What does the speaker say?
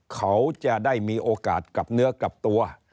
เขาจะได้มีโอกาสกลับเนื้อกลับตัว